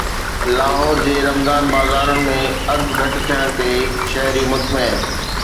لاهور جي رمضان بازارن ۾ اگهه گهٽ ٿيڻ تي شهري مطمئن